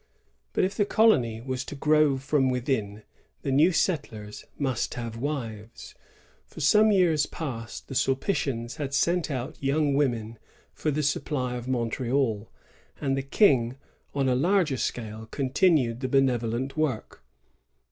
But if the colony was to grow from within, the new settlers must have wives. For some years past the Sulpitians had sent out young women for the supply of Montreal; and the King, on a larger scale, contin ued the benevolent work.